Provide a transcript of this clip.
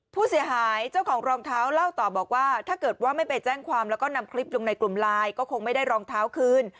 ผู้เสียหายเจ้าของรองเท้าเล่าต่อบอกว่าถ้าเกิดว่าไม่ไปแจ้งความแล้วก็นำคลิปลงในกลุ่มไลน์ก็คงไม่ได้รองเท้าคืน